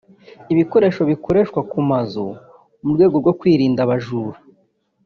ibikoresho bikoreshwa ku mazu mu rwego rwo kwirinda abajura